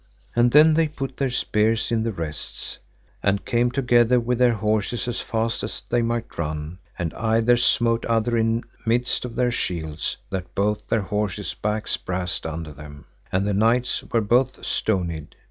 And then they put their spears in the rests, and came together with their horses as fast as they might run, and either smote other in midst of their shields, that both their horses' backs brast under them, and the knights were both stonied.